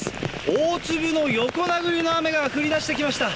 大粒の横殴りの雨が降りだしてきました。